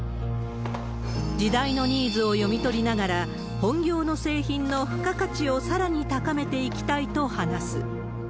時代のニーズを読み取りながら、本業の製品の付加価値をさらに高めていきたいと話す。